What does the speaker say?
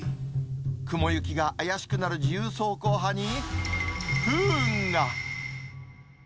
雲行きが怪しくなる自由走行派に不運が。